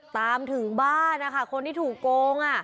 ถึงบ้านนะคะคนที่ถูกโกง